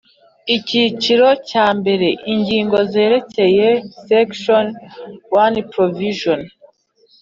Icyiciro cya mbere Ingingo zerekeye Section One Provisions